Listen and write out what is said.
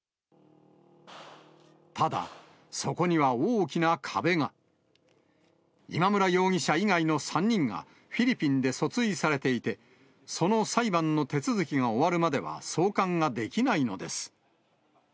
ただ、そこには大きな壁が。今村容疑者以外の３人が、フィリピンで訴追されていて、その裁判の手続きが終わるまでは送還ができないのです。